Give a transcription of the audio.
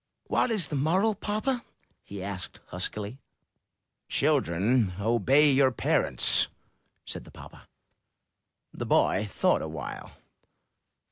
''What is the moral, papa?" he asked, huskily. "Children, obey your parents," said the papa. The boy thought awhile.